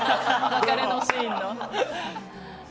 別れのシーンの。